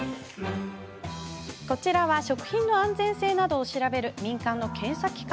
ここは食品の安全性などを調べる民間の検査機関。